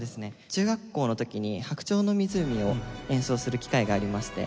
中学校の時に『白鳥の湖』を演奏する機会がありまして。